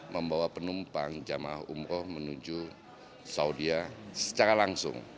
membawa penumpang jemaah umroh menuju saudi secara langsung